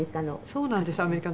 「そうなんですアメリカの」